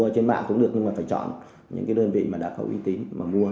trên mạng cũng được nhưng mà phải chọn những cái đơn vị mà đã có uy tín mà mua